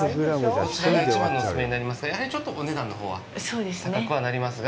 こちらが一番のお勧めになりますがやはり、ちょっとお値段のほうは高くはなりますが。